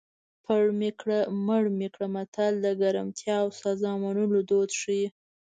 پړ مې کړه مړ مې کړه متل د ګرمتیا او سزا منلو دود ښيي